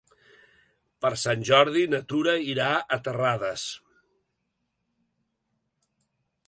Per Sant Jordi na Tura irà a Terrades.